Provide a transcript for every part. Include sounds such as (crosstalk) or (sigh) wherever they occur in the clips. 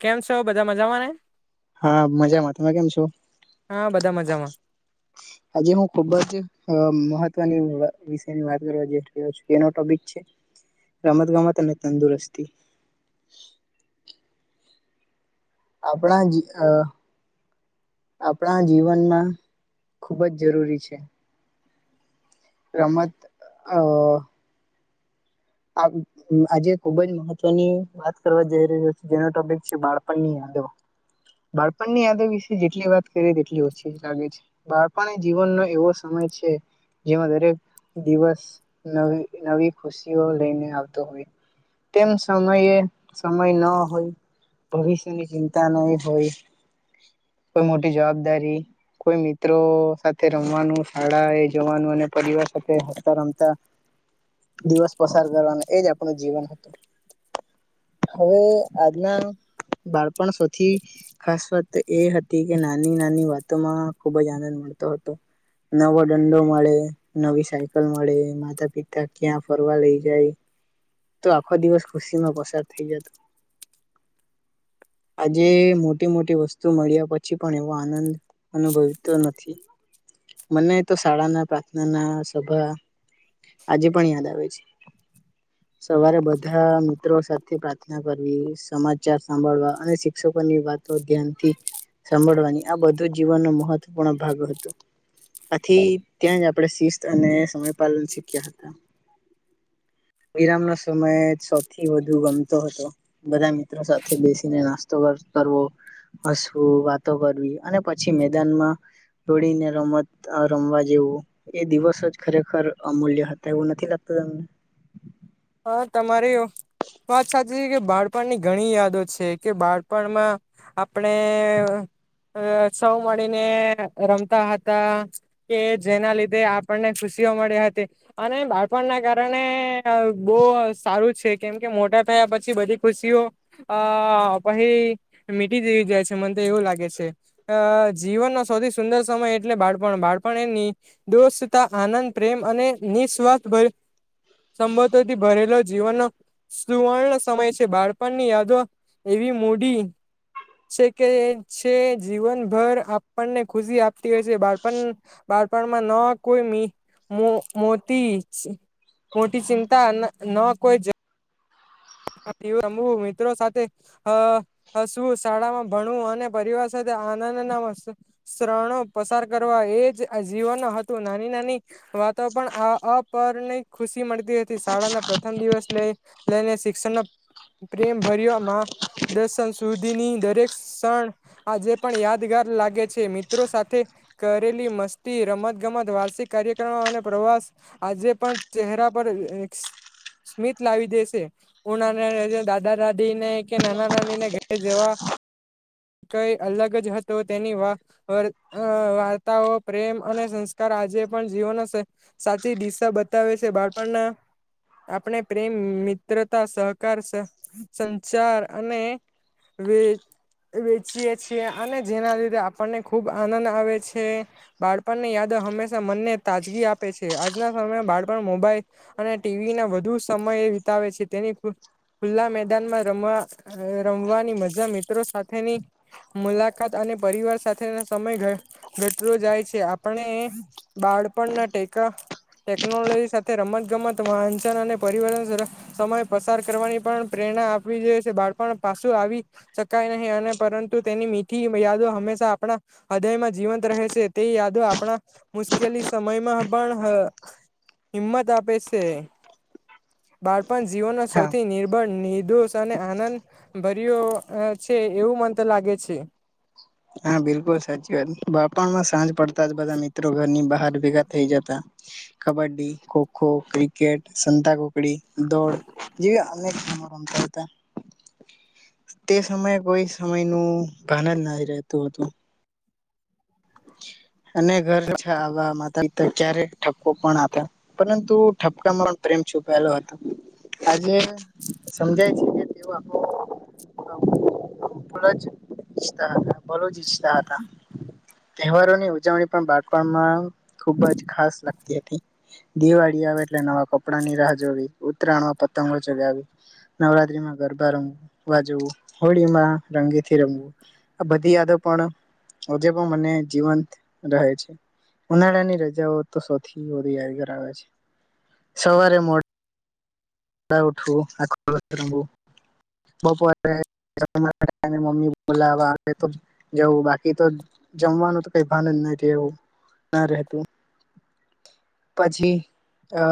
કેમ છ બધા મજામાં ને. હા મજામાં તમે કેમ છો? હા બધા મજામાં આજે હું ખુબ જ મહ ની વિષ ની વાત કરવા જઈ રહ્યો છ એનો ટોપિક છે રમત ગમત અને તંદુરસ્તી. (inaudible) આપણા જ આ આપણા જીવનમાં ખુબ જ જરૂરી છે. રમત અ આ આજે ખુબ જ મહત્વની વાત કરવા જઈ રહ્યો છે જેનો ટોપિક છે બાળપણની વધદવા બાળપણની યાદો વિશે જેટલી વાત કરીએ તેટલી ઓછી લાગે છે બાળપણ જીવનનો એવો સમય જેમાં દરેક દિવસ નવી ખુશી લઈને આવતો હોય તેમ સમયે સમય ન હોય. ભવિષ્યની ચિંતા નહી હોય કોઈ મોટી જવાબદારી કોઈ મિત્રો સાથે રમવાનું શાળા એ જવાનું અને પરિવાર સાથે હસતા રમતા દિવસ પસાર કરવાનું એજ આપણું જીવન હતું. હવે આજના બાળપણ સૌથી ખાસ વાત એ હતી કે નાની નાની વાતો માં ખુબ જ આનંદ મળ નવો દંડો મળે નવી સાયકલ મળે માતા પિતા ક્યાં ફ લઈ જાય તો આખો દિવસ ખુશી માં પસાર થઈ જતો. (inaudible) આજે મોટી મોટી વસ્તુ મળ્યા પછી પણ એવો આનંદ અનુભવતો નથી. મને તો શાળા ના પ્રાર્થના ના સભા આજે પણ યાદ આવે છે. સવારે બધા મિત્રો સાથે પ્રાર્થના કરવી સમાચાર સાંભળવા અને શિક્ષકોની વા ધ્યાનથી સાભળવાની આ બધું જીવનનો મહત્વપૂર્ણ ભાગ હતો. આથી ત્યાં જ આપણે શિસ્ત અને સમયપાલન શીખ્યા હતા. (inaudible) વિરામ ન સમયે સૌથી વધુ ગમતો હતો બધા મિત્રો સાથે બેસીને નાસ્તો કર કરવો હસવું વાતો કરવી અને પછી મેદાનમાં જોડીને રમત રમવા જેવું એ દિવસ જ ખરેખર અમૂલ્ય હતા એવું નથી લાગતું. (inaudible) હા તમારે એ વાત સાચી છે કે બાળપણની ઘણી યાદો છે કે બાળપણમાં આપણે અ સૌ મળીને રમતા હતા કે જેના લીધે આપણને ખુશી મળ્યા હતા અને બાળપણ ના કારણે બહ સારું છે. કેમ કે મોટા થયા પછી બધી ખુશીઓ અ પછ મીટી જવી જાય છે મને તો એવું લાગે છે જીવનનો સૌથી સુંદર સમય એટલે બાળપણ બાળપણ એની દોષ આનંદ પ્રેમ અને નિઃસ્વાર્થ સંબોધ થી ભરેલો જીવનનો સુવર્ણ સમય છે બાળપણની યાદો એવી મૂડી છે કે છે જીવનભર આપણને ખુશી આપતી હોય છે બાળપણ બાળપણમાં ન કોઈ મી મો મોટીજ મોટી સી તા ન ન કોઈ ઝ રમું મિત્રો સાથે હ હસવું, શાળામાં ભણવું અને પરિવાર સાથે ના નાના શ્રણો પસાર કરવા એજ જીવન હતું નાની નાની વાતો પણ અ અપહરની ખુશી મળતી હતી શાળાના પ્રથમ દિવસ લઈને શિ (inaudible) પ્રેમ ભરયો માં દર્શન સુધીની દરેક ક્ષણ આજે પણ યાદગાર લાગે છે મિત્રો સાથે કરેલી મસ્તી રમતગમત વાર્ષિક કાર્યક્રમ અને પ્રવાસ આજે પણ ચહેરા પર સ્મિત લાવી દેશે ઉણાને દાદા દાદી ને કે નાના નાની ને ઘરે જવા કઈ અલગ જ હતો તેની વાર્તાઓ પ્રેમ અને સંસ્ આજે પણ જીવનના સાચી દિશા બતાવે છે બાળપણના આપણે પ્રેમ મિત્રતા સહકાર સંચાર અને વવે વેચીએ છીએ અને જેના લીધે આપણને ખુબ આનંદ આવે છે બાળપણને યાદ હંમેશા મનને તાજગી આપે છે, આજના સમયમાં બાળપણ મોબાઈલ અને ટીવી ના વધુ સમય એ વિતાવે છે તેની ખુલ્લા મેદાનમાં રમવા રમવાની મજા મિત્રો સાથેની મુલાકાત અ ને પરિવાર સાથે સમય ઘટતો જાય છે આપણે બાળપણના ટેકા ટેકનોલોજી સાથે રમત ગમત વાંચન અને પરિવર્તન સમય પસાર કરવાની પણ પ્રેરણા આપવી જોઈ છે બાળપણ પાછું આવી શકાય નહી અને પરંતુ તેની મીઠી યાદો હંમેશા આપણા હૃદયમાં જીવંત રહે છે. તે યાદો આપણા મુશ્કેલી સમયમાં સમયમાં પણ હિંમત આપે છે બાળપણ જીવ હા. સૌથી નિર્ભળ નિ દોષ અને આનંદ ભર્યો છે એવું મને લાગે છે. હા બિલકુલ સાચી વાત બાણ પણમાં સાંજ પડતા જ બધા મિત્રો ઘરની બહાર ભેગા થઈ જતા કબડ્ડી, ખોખો ક્રિકેટ સંતાકુકડી દોડ જે અનેક (unintelligible) રમતા હતા. (inaudible) તે સમયે કોઈ સમય નું ભાન જ નથી રહેતું હતું. (inaudible) અને ઘર છે આવ માતા ક્યારે ઠપકો પણ આપે પરંતુ ઠપકામાં પણ છુપાયલો હતો આજે સમજાય છે કે તેઓ આખો (inaudible) ઈચ્છતા હતા ભલું જ ઈચ્છતા હતા. તહેવારોની ઉજવણી પણ બાણમાં ખુબ જ ખાસ લાગતી હતી દિવાળીએ એટલે નવા કપડા ની રાહ જોવી ઉત્તરાયણમાં પતંગો ચગાવી નવરાત્રીમાં ગરબા રંગવું વા જવું, હોળી માં રંગીથી રંગવું, આ બધી યાદો પણ હજે પણ મને જીવંત રહે છે. ઉનાળા ની રજાઓ તો સૌથી વધુ યાદગાર આવે છે. સવારે મોડા ઉઠવુ, આખો (unintelligible) બપોરે મમી બોલાવા આવે તો જવું બાકી તો જમવાનું તો કઈ ભાન જ નહી રહેવું ના રહેતું. પછી અ...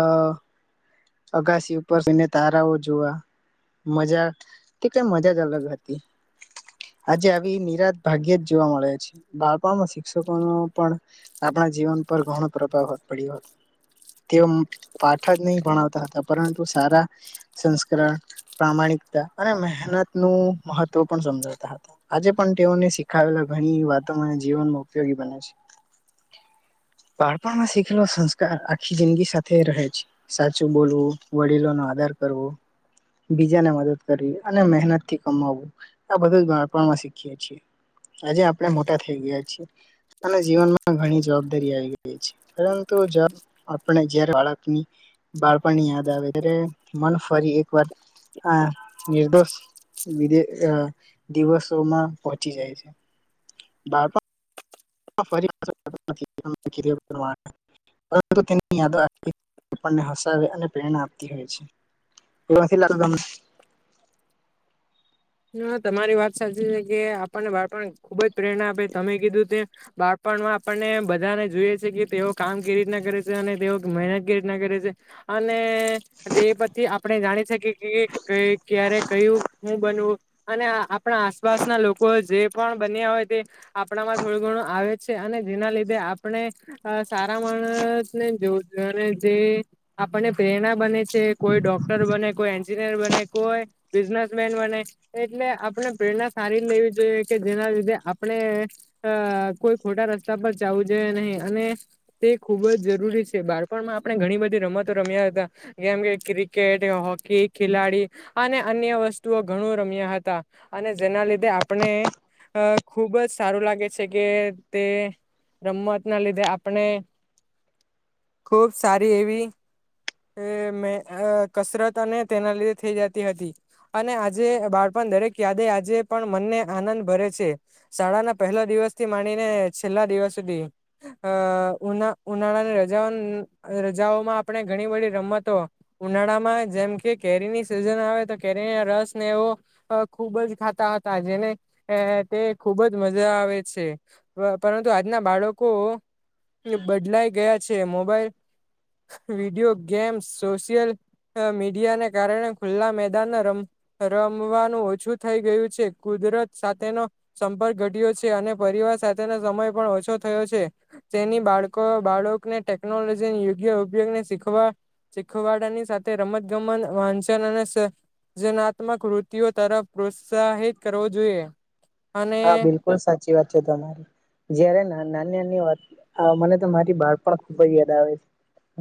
અગાસી ઉપર જઇને તારાઓ જોવા. મજા તે કઈ મજા જ અલગ હતી. આજે આવી નિરાશ ભાગ્યેજ જોવા મળે છે. બાળપમાં શિક્ષકો નુ પણ આપણા જીવન પર ઘણો પ્રભાવ પડ્યો હતો. તેઓ પાઠાજ નહી ભણાવતા હતા પરંતુ સારા સંસ્કરણ પ્રામાણિકતા અને મહેનત નું મહત્વ પણ સમજાવતા હતા. આજે પણ તેઓને શીખાવેલા ઘણી વાતો મને જીવનમાં ઉપયોગી બને છે. હા. બાળપણમાં શીખેલો સંસ્કાર આખી જિંદગી સાથે રહે છે, સા ચુ બોલવું વડીલોનો આદર કરવો બીજાને મદદ કરી અને મહેનતથી કમાવવું આ બધું જ બાળપણમાં શીખીએ છીએ આજે આપણે મોટા થઈ ગયા છીએ અને જીવનમાં ઘણી જવાબદારી આવી ગ ઈ છે પરંતુ જ આપણે જ્યારે બાળકની બાળપણની યાદ આવે ત્યારે મન ફરી એકવાર આ નિર્દોષ વિદે અ દિવસોમાં પહોચી જાય છે, બાળપ પણમા ફરી (unintelligible) પરંતુ તેની યાદો આપણને હસાવે અને પ્રેરણા આપતી હોય છે. એવાસી (unintelligible) (unintelligible) હ તમારી વાત સાચી છે કે આપણને બાળપણ ખુબ જ પ્રેરણા આપે તમે કીધું તે બાળ પણમા આપણને બધાને જોઈએ છે કે તેઓ કામ કેવી રીતના કરે છે, અને તેઓ મહેનત કેવી રીતના કરે છે. અને તે પછી આપણે જાણી શકીએ કે ક્યારે કયું શું બનવું અને આપણા આસપાસના લોકો જે પણ બન્યા હોય તે આપણામાં થોડું ઘણું આવે છે. અને જેના લીધે આપણે અ સારા માણસને જોવ અને જે આપ ણને પ્રેરણા બને છે, કોઈ ડોક્ટર બને, કોઈ એન્જિનિયર બને, કોઈ બિઝનેસમેન બને, એટલે આપણે પ્રેરણા સારી લેવી જોઈએ કે જેના લીધે આપણે અ કોઈ ખોટા રસ્તા પર જવુ જોઈએ નહીં અને તે ખુબ જ જરૂરી છે, બાળપણમાં આપણે ઘણી બધી રમતો રમ મયા હતા જેમ કે ક્રિકેટ હોકી ખેલાડી અને અન્ય વસ્તુઓ ઘણું રમ્યા હતા અને જેના લીધે આપણે અ ખુબ જ સારું લાગે છે કે તે રમત ના લીધે આપણે ખુબ સારી એવી એ મે અ કસરત અને તેના લીધે થઈ જતી હતી અને આ જે બાળપણ દરેક યાદે આજે પણ મનને આનંદ ભરે છે, શાળાના પહેલા દિવસથી માની ને છેલ્લા દિવસ સુધી અ ઉના ઉનાળાની રજા રજાઓમાં આપણે ઘણી બધી રમતો ઉનાળામાં જેમ કે કેરીની સિઝન આવે તો કેરીના રસ ને એવું અ ખૂબ જ ખાતા હતા જેને તે ખૂબ જ મજા આવે છે. પરંતુ આજના બાળકો બદલાઈ ગયા છે, મોબાઈલ વિડીયો ગેમ, સોશિયલ મીડિયાને કારણે ખુલ્લા મેદાને રમતા રમવાનું ઓછું થઈ ગયું છે, કુદરત સાથેનો સંપર્ક ઘટ્યો છે, અને પરિવાર સાથેનો સમય પણ ઓછો થયો છે, તેની બાળકો બાળકને ટેકનોલોજી યોગ્ય ઉપયોગને શીખવા શીખવાડની સાથે રમતગમત વાંચન અને સ સર્જનાત તમક વૃતિઓ તરફ પ્રોત્સાહિત કરવો જોઈએ અને હા બિલકુલ સાચી વાત છે તમારી જયારે નાની નાની વાત આ મને તો મારી બાળપણ ખુબ જ યાદ આવે છે.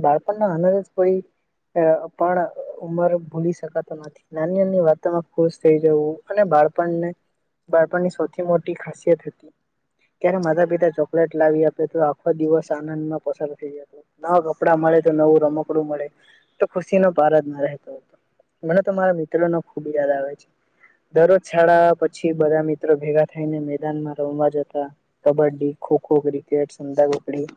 બાળપણના આનંદ જ કોઈ અ પણ ઉમર ભૂલી શકાતો નથી નાની નાની વાતોમાં ખુશ થઈ જવું અને બાળપણને બાળપણની સૌથી મોટી ખાસિયત હતી ત્યારે માતા પિતા ચોકલેટ લાવી આપે તો આખો દિવસ આનંદમાં પસાર થઈ જાતો નવા કપડા મળે તો નવું રમકડું મળે તો ખુશીનો પાર જ ન રહેતો હતો મને તો મારા મિત્રોનો ખુબ યાદ આવે છે, દરરોજ શાળા પછી બધા મિત્રો ભેગા થઈને મેદાનમાં રમવા જતા કબડ્ડી, ખોખો, ક્રિકેટ, સપતાકુકડી,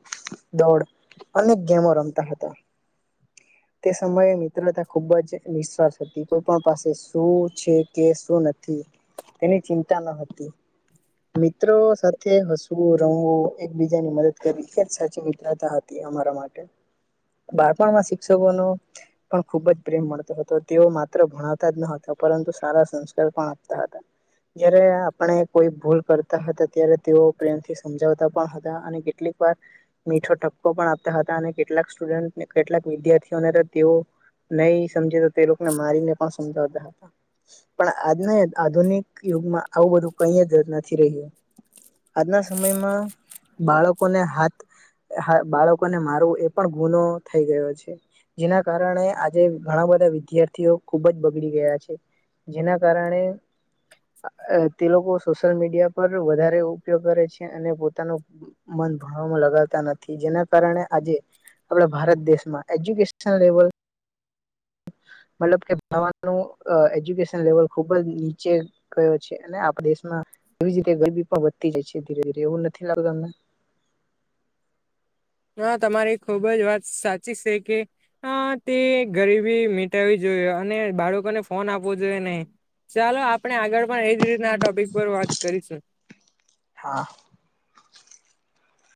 દો ડ અનેક ગેમો રમતા હતા (inaudible) તે સમયે મિત્રતા ખૂબ જ નિશ્વાસ હતી કોઈ પણ પાસે શું છે કે શું નથી તેની ચિંતા ન હતી (inaudible) મિત્રો સાથે હસવું રમવું એકબીજાની મદદ કરી એ સાચી મિત્રતા હતી અમા માટે બાળપણમાં શિક્ષકો ન પણ ખુબ જ પ્રેમ મળતો હતો તેઓ માત્ર ભણાવતા જ નતા. પરંતુ સારા સંસ્કાર પણ આપતા હતા જય્યારે આપણે કોઈ ભૂલ કરતા હતા ત્યારે તેઓ પ્રેમથી સમજાવતા પણ હતા અને કેટલીક વાર મીઠો ક્કો પણ આપતા હતા અને કેટલાક સ્ટુડન્ટ કેટલાક વિદ્યાર્થીઓને તેઓ નહી સમજ તે લોકોને મારીને પણ સમજાવતા હતા પણ આજના આધુનિક યુગમાં આવું બધું ક જ નથી રહ્યો આજના સમયમાં બાળકોને હાથ બાળકોને મારવું એ પણ ગુનો થઈ ગયો છે. જેના કારણે આજે ઘણા બધા વિદ્યાર્થીઓ ખુબ જ બગડી ગયા છે. જેના કારણે તે લોકો સોશિયલ મીડિયા પર વધારે ઉપયોગ કરે છે અને પોતાનું મન ભણવામાં લગાતા નથી જેના કારણે આજે આપણા ભારત દેશમાં એજ્યુકેશન લેવલ (inaudible) મતલબ કેવાનું એજ્યુકેશન લેવલ ખુબ જ નીચે ગયો છે અને આપ દેશમાં એવી જ રીતે ગરબી પણ વધતી જાય છે ધીરે ધીરે એવું નથી લાગત અમને (inaudible) હ તમારી ખુબ જ વાત સાચી છે કે તે ગરીબી મટાવવી જોય. અને બાળકોને ફોન આપવો જોઈએ નહી. ચાલો આપણે આગળ પણ એજ રીતના આ ટોપિક પર વાત કરીશું. હા.